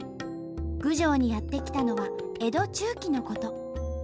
郡上にやって来たのは江戸中期のこと。